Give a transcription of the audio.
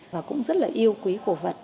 và cũng rất là yêu quý cổ vật